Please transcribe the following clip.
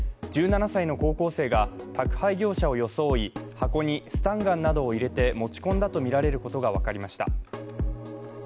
１７歳の高校生が宅配業者を装い箱にスタンガンなどを入れて持ち込んだとみられることが分かりました。